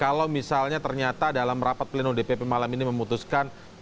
kalau misalnya ternyata dalam rapat pleno dpp malam ini memutuskan